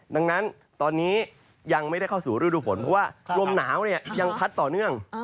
ดังนั้นตอนนี้ยังไม่ได้เข้าสู่ฤดูฝนเพราะว่าลมหนาวยังพัดต่อเนื่อง